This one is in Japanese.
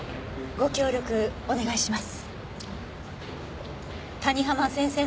ご協力お願いします。